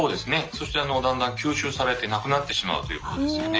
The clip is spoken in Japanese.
そしてだんだん吸収されてなくなってしまうということですよね。